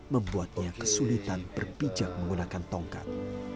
membuatnya kesulitan berpijak menggunakan tongkat